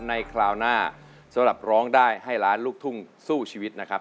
คราวหน้าสำหรับร้องได้ให้ล้านลูกทุ่งสู้ชีวิตนะครับ